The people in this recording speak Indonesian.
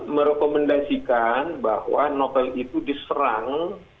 merekomendasikan bahwa novel itu diserang